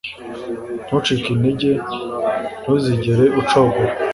Ntucike intege. Ntuzigere ucogora. ”